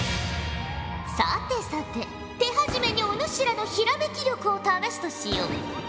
さてさて手始めにお主らのひらめき力を試すとしよう。